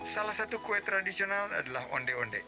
salah satu kue tradisional adalah onde onde